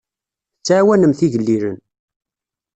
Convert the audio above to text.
Tettɛawanemt igellilen.